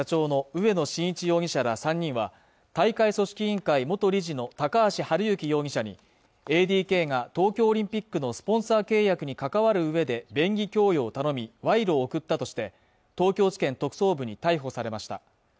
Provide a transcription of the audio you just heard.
植野伸一容疑者ら３人は大会組織委員会元理事の高橋治之容疑者にＡＤＫが東京オリンピックのスポンサー契約に関わる上で便宜供与を頼み賄賂を送ったとして東京地検特捜部に逮捕されました